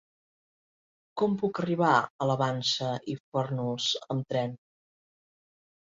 Com puc arribar a la Vansa i Fórnols amb tren?